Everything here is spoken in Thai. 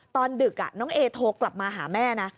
ดึกน้องเอโทรกลับมาหาแม่นะ